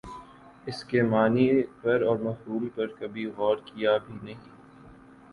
اسکے معانی پر اور مفہوم پر کبھی غورکیا بھی نہیں